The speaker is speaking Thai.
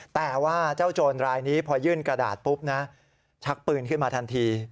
แต่ว่าเจ้าโจรรายนี้พอยื่นกระดาษปุ๊บนะชักปืนขึ้นมาทันที